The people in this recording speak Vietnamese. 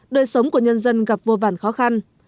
đời sống của nhân dân gặp vô vản khó khăn